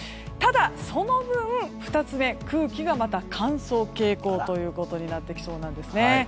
ただ、その分空気が乾燥傾向ということになってきそうなんです。